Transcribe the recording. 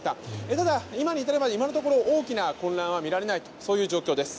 ただ、今に至るまで今のところ大きな混乱は見られないとそういう状況です。